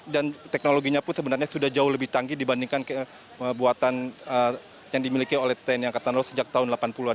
dan teknologinya pun sebenarnya sudah jauh lebih canggih dibandingkan buatan yang dimiliki oleh tni angkatan laut sejak tahun delapan puluh an